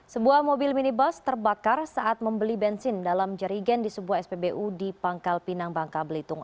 sebuah mobil minibus terbakar saat membeli bensin dalam jerigen di sebuah spbu di pangkal pinang bangka belitung